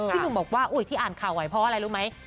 พี่หนุ่มบอกว่าที่อ่านข่าวใหญ่เพราะอะไรรู้ไหม